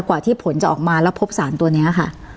กว่าที่ผลจะออกมาแล้วพบสารตัวนี้ค่ะ